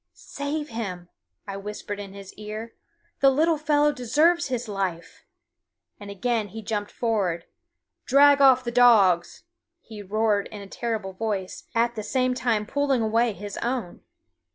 "Save him," I whispered in his ear, "the little fellow deserves his life"; and again he jumped forward. "Drag off the dogs!" he roared in a terrible voice, at the same time pulling away his own.